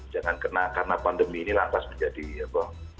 jangan karena pandemi ini lantas menjadi apa